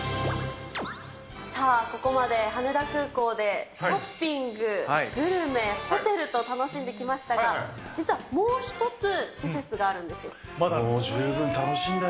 さあ、ここまで羽田空港でショッピング、グルメ、ホテルと楽しんできましたが、もう十分楽しんだよ。